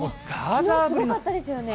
すごかったですよね。